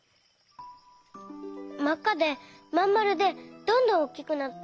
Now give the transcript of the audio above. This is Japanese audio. まっかでまんまるでどんどんおっきくなって。